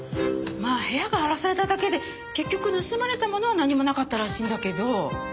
まあ部屋が荒らされただけで結局盗まれたものは何もなかったらしいんだけど。